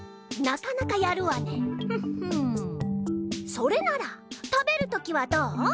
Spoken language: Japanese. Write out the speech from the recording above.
それなら食べるときはどう？